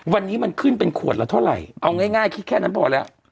วันนี้มันขึ้นเป็นขวดละเท่าไหร่เอาง่ายคิดแค่นั้นพอแล้ว